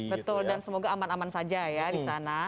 betul dan semoga aman aman saja ya di sana